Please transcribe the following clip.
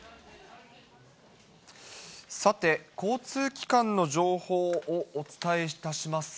さて、交通機関の情報をお伝えいたします。